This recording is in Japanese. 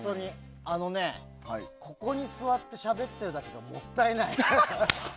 ここに座ってしゃべっているだけでもったいない。